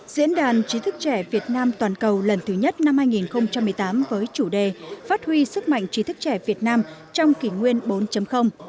diễn đàn chí thức trẻ việt nam toàn cầu lần thứ nhất năm hai nghìn một mươi tám với chủ đề phát huy sức mạnh trí thức trẻ việt nam trong kỷ nguyên bốn